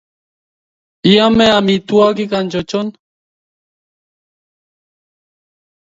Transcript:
Iome amitwogik anchochon ?